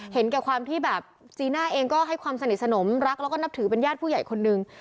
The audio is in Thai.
เห็นแก่ความที่แบบจีน่าเองก็ให้ความสนิทสนมรักแล้วก็นับถือเป็นญาติผู้ใหญ่คนหนึ่ง